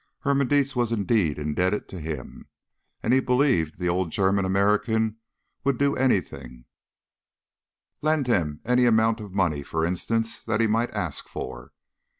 Herman Dietz was indeed indebted to him, and he believed the old German American would do anything, lend him any amount of money, for instance, that he might ask for.